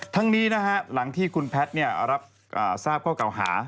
ทั้งนี้นะฮะหลังที่คุณแพทย์รับทราบข้อเก่าหา